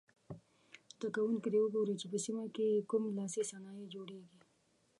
زده کوونکي دې وګوري چې په سیمه کې یې کوم لاسي صنایع جوړیږي.